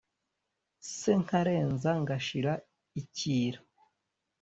se nkarenza ngashira icyira.